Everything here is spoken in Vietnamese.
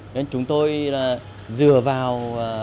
nên chúng tôi dựa vào